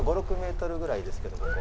５６ｍぐらいですけど。